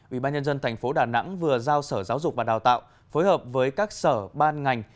ubnd tp đà nẵng vừa giao sở giáo dục và đào tạo phối hợp với các sở ban ngành